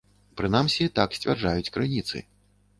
Прынамсі, так сцвярджаюць крыніцы.